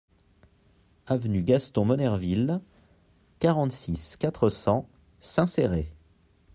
Avenue Gaston Monnerville, quarante-six, quatre cents Saint-Céré